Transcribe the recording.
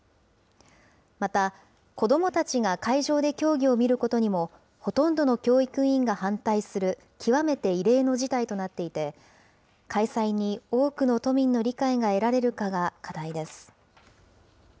また、子どもたちが会場で競技を見ることにも、ほとんどの教育委員が反対する、極めて異例の事態となっていて、開催に多くの都民の理解が得られるかが課題です。